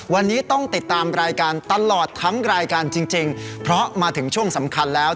วันนี้ต้องติดตามรายการตลอดทั้งรายการจริงจริงเพราะมาถึงช่วงสำคัญแล้ว